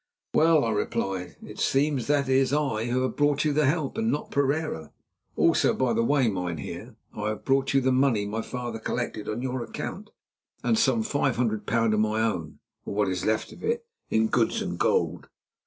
"Well," I replied, "it seems that it is I who have brought you the help, and not Pereira. Also, by the way, mynheer, I have brought you the money my father collected on your account, and some £500 of my own, or what is left of it, in goods and gold.